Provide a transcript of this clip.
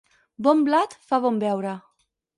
Bon blat fa bon veure.